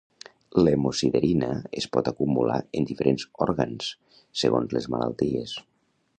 L'hemosiderina es pot acumular en diferents òrgans segons les malalties.